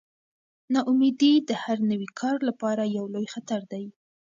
ناامیدي د هر نوي کار لپاره یو لوی خطر دی.